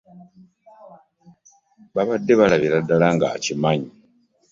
Babadde balabira ddala nga kigaanyi.